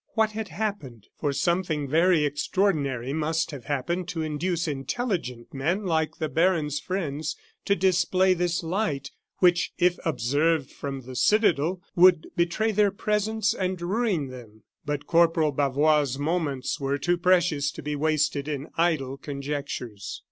What had happened? For something very extraordinary must have happened to induce intelligent men like the baron's friends to display this light, which, if observed from the citadel, would betray their presence and ruin them. But Corporal Bavois's moments were too precious to be wasted in idle conjectures.